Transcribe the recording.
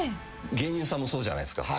芸人さんもそうじゃないですか。